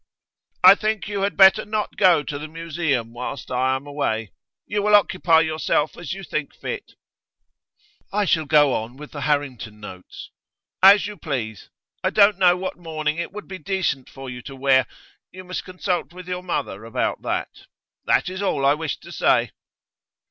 'I think you had better not go to the Museum whilst I am away. You will occupy yourself as you think fit.' 'I shall go on with the Harrington notes.' 'As you please. I don't know what mourning it would be decent for you to wear; you must consult with your mother about that. That is all I wished to say.